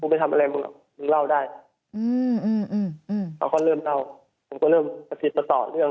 ไปทำอะไรมึงมึงเล่าได้อืมเขาก็เริ่มเล่าผมก็เริ่มประติดประต่อเรื่อง